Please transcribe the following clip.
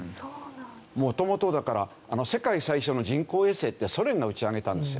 元々だから世界最初の人工衛星ってソ連が打ち上げたんですよ。